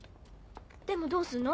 でもどうすんの？